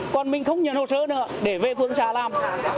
còn mình không nhận hồ sơ nữa để về phương xa làm